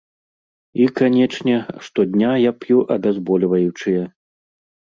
І, канечне, штодня я п'ю абязбольваючыя.